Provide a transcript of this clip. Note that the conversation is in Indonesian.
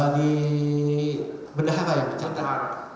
di pendahara yang berada di pendahara